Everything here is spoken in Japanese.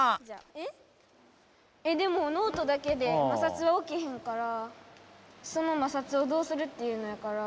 えでもノートだけで摩擦はおきひんからその摩擦をどうするっていうのやから。